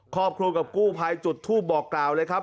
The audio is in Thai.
ครอบครัวกับกู้ภัยจุดทูปบอกกล่าวเลยครับ